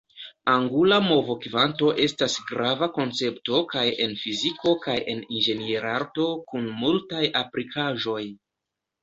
Angula movokvanto estas grava koncepto kaj en fiziko kaj en inĝenierarto, kun multaj aplikaĵoj.